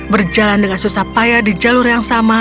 berjalan dengan susah payah di jalur yang sama